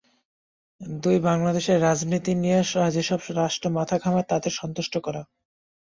দুই, বাংলাদেশের রাজনীতি নিয়ে যেসব রাষ্ট্র মাথা ঘামায়, তাদের সন্তুষ্ট করা।